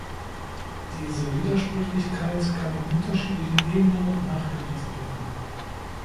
Diese Widersprüchlichkeit kann in unterschiedlichen Ebenen nachgewiesen werden.